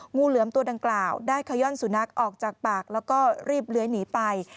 งูเหลือมตัวดังกล่าวได้ขย่อนสุนัขออกจากปากแล้วก็รีบเลื้อยหนีไป